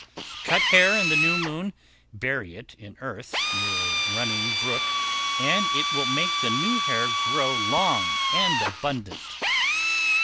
Cut hair in the new moon, bury it in earth near a running brook, and it will make the new hair grow long and abundant.